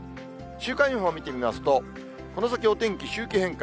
週間予報見てみますと、この先、お天気周期変化。